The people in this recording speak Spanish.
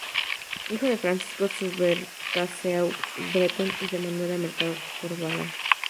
Hijo de Francisco Subercaseaux Breton y de Manuela Mercado Corvalán.